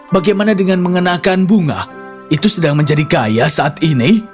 bagaimana dengan mengenakan bunga itu sedang menjadi gaya saat ini